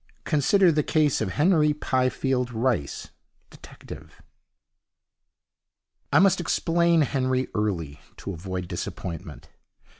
Consider the case of Henry Pifield Rice, detective. I must explain Henry early, to avoid disappointment.